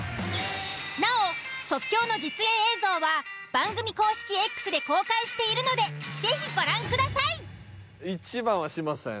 なお即興の実演映像は番組公式Ｘで公開しているので是非ご覧ください。